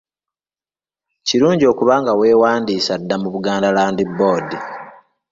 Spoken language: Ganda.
Kirungi okuba nga weewandiisa dda mu Buganda Land Board.